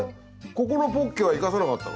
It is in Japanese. ここのポッケは生かさなかったの？